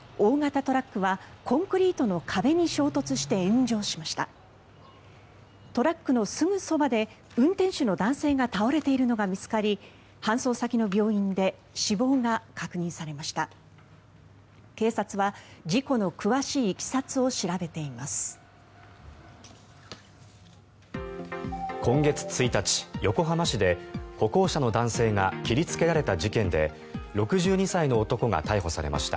トラックのすぐそばで運転手の男性が倒れているのが見つかり搬送先の病院で死亡が確認されました。